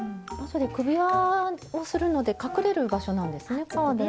首輪をするので隠れる場所なんですね。